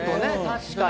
確かに。